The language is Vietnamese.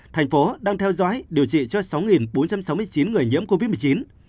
thành phố đang theo dõi điều trị cho sáu bốn trăm sáu mươi chín người nhiễm covid một mươi chín